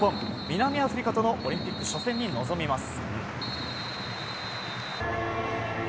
南アフリカとのオリンピック初戦に臨みます。